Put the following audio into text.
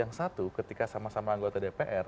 yang satu ketika sama sama anggota dpr